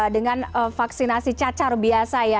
dengan vaksinasi cacar biasa ya